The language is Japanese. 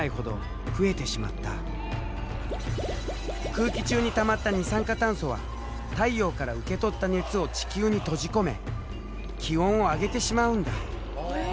空気中にたまった二酸化炭素は太陽から受け取った熱を地球に閉じ込め気温を上げてしまうんだ。